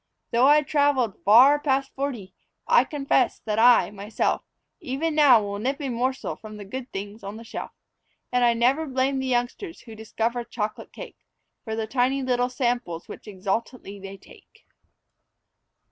Though I've traveled far past forty, I confess that I, myself, Even now will nip a morsel from the good things on the shelf; And I never blame the youngsters who discover chocolate cake For the tiny little samples which exultantly they take.